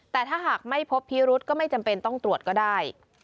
แต่ถ้าหากไม่พบพิรุษก็ไม่จำเป็นต้องตรวจก็ได้